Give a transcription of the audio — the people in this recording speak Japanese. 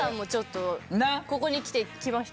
ここにきてきました。